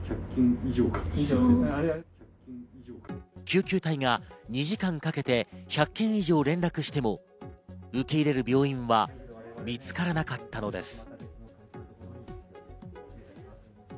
救急隊が２時間かけて１００件以上連絡しても受け入れる病院は見つからなかったのです。